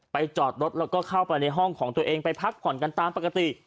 จอดรถแล้วก็เข้าไปในห้องของตัวเองไปพักผ่อนกันตามปกติ